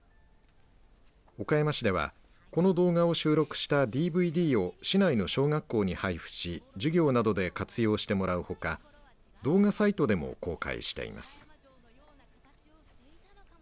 岡山市ではこの動画を収録したＤＶＤを市内の小学校に配布し授業などで活用してもらうほか動画サイトでも公開しています。